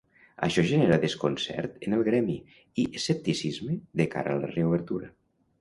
Això genera desconcert en el gremi i escepticisme de cara a la reobertura.